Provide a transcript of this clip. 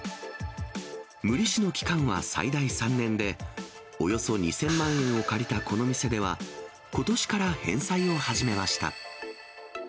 無利子の期間は最大３年で、およそ２０００万円を借りたこの店では、ことしから返済を始めました。